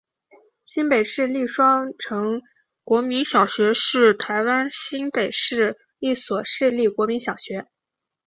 新北市立双城国民小学是台湾新北市一所市立国民小学。